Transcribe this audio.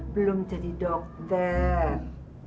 belum jadi dokter